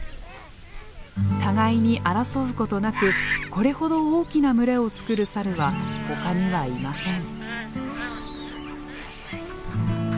互いに争うことなくこれほど大きな群れを作るサルはほかにはいません。